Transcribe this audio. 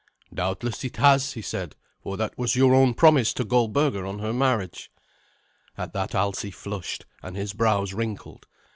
"Doubtless it has," he said, "for that was your own promise to Goldberga on her marriage." At that Alsi flushed, and his brows wrinkled.